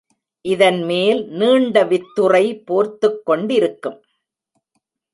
இதன்மேல் நீண்ட வித்துறை போர்த்துக்கொண்டிருக்கும்.